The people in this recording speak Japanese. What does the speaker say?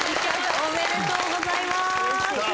おめでとうございます。